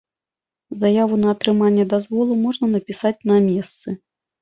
Заяву на атрыманне дазволу можна напісаць на месцы.